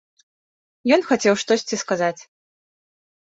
Ён хацеў штосьці сказаць.